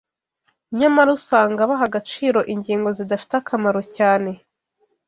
nyamara usanga baha agaciro ingingo zidafite akamaro cyane